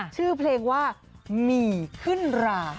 ชื่อเพลงว่าหมี่ขึ้นรา